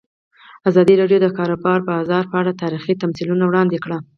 ازادي راډیو د د کار بازار په اړه تاریخي تمثیلونه وړاندې کړي.